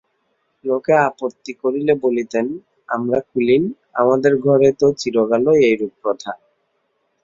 লোকে আপত্তি করিলে বলিতেন, আমরা কুলীন, আমাদের ঘরে তো চিরকালই এইরূপ প্রথা।